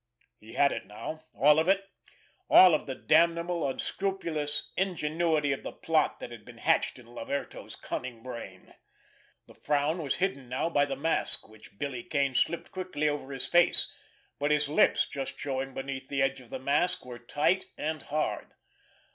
He had it now—all of it—all of the damnable, unscrupulous ingenuity of the plot that had been hatched in Laverto's cunning brain. The frown was hidden now by the mask which Billy Kane slipped quickly over his face, but his lips just showing beneath the edge of the mask were tight and hard.